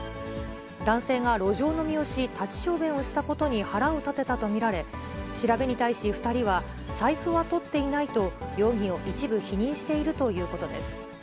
男性が路上飲みをし、立ち小便をしたことに腹を立てたと見られ、調べに対し、２人は、財布はとっていないと、容疑を一部否認しているということです。